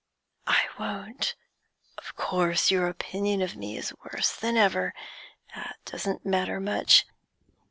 'I won't. Of course your opinion of me is worse than ever. That doesn't matter much.